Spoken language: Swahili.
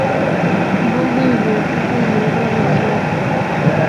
Mboga iliyopikwa imeiva vizuri